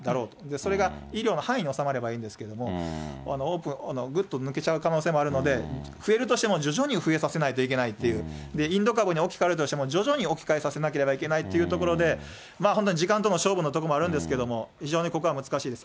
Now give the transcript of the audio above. それが医療の範囲に収まればいいんですけれども、ぐっと抜けちゃう可能性もあるので、増えるとしても、徐々に増えさせないといけないという、インド株に置き換えるとしても、徐々に置き換えさせなければいけないというところで、本当に時間との勝負のところもあるんですけれども、非常にここは難しいです。